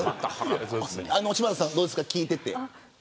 柴田さん、どうですか聞いていて。